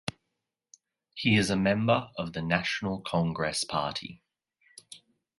He is a member of the National Congress Party.